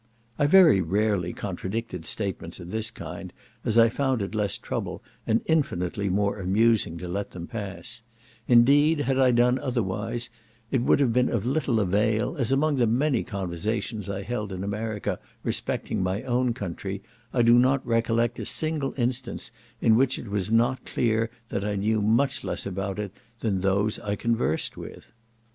I very rarely contradicted statements of this kind, as I found it less trouble, and infinitely more amusing, to let them pass; indeed, had I done otherwise, it would have been of little avail, as among the many conversations I held in America respecting my own country, I do not recollect a single instance in which it was not clear that I knew much less about it than those I conversed with.